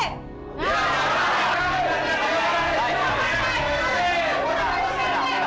pak rt pak rt